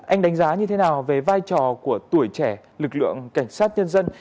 anh đánh giá như thế nào về vai trò của tuổi trẻ lực lượng cảnh sát nhân dân